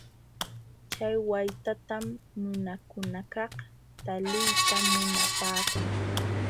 Chay waytatam nunakunakaq taliyta munapaakun.